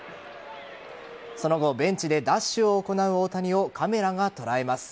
その後ベンチでダッシュを行う大谷をカメラが捉えます。